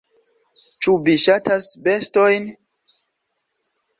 Ĉu vi ŝatas bestojn?